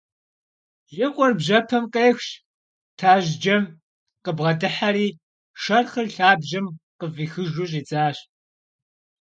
И къуэр бжьэпэм къехщ, тажьджэм къыбгъэдыхьэри шэрхъыр лъабжьэм къыфӀихыжу щӀидзащ.